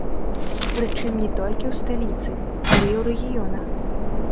Прычым, не толькі ў сталіцы, але і ў рэгіёнах.